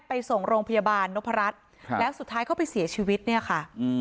ไปส่งโรงพยาบาลนพรัชครับแล้วสุดท้ายเขาไปเสียชีวิตเนี่ยค่ะอืม